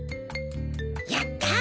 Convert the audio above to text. やったー！